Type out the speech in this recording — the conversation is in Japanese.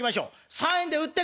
「３円で売ってくれる！？